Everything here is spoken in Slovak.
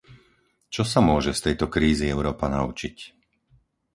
Čo sa môže z tejto krízy Európa naučiť?